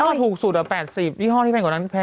หลายห้อถูกสุดแต่แปดสิบหลายห้อที่แพงกว่านั้นเท่าไหร่